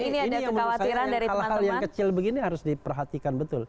ini yang menurut saya hal hal yang kecil begini harus diperhatikan betul